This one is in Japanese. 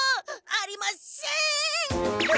ありません！